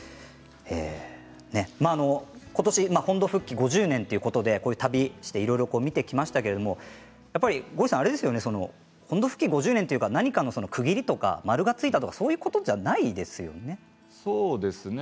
ことし本土復帰５０年ということで旅をしていろいろ見てきましたがゴリさん、本土復帰５０年というのは何かの区切りとか丸がついたということではないですよね。